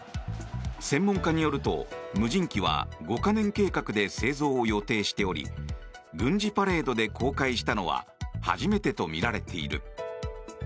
専門家によると、無人機は五カ年計画で製造を予定しており軍事パレードで公開したのは初めてとみられている。